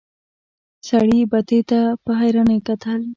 سړي بتۍ ته په حيرانی کتل.